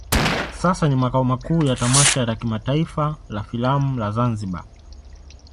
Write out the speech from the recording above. Sasa ni makao makuu ya tamasha la kimataifa la filamu la Zanzibar.